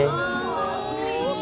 kata temen temen sih